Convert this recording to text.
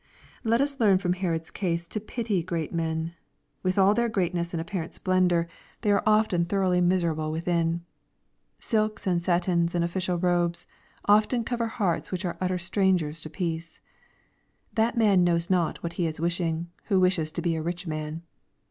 Let us learn from Herod's case to pity great men. With all their greatness and apparent splendor, they LUKE, CHAP. XXIII. 451 are often thoroughly miserahle within. Silks and satins and official robes, often cover hearts which are utter Btrangera to peace. That man knows not what he is wishing, who wishes to be a rich man.